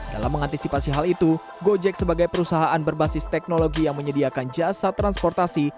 dalam mengantisipasi hal itu gojek sebagai perusahaan berbasis teknologi yang menyediakan jasa transportasi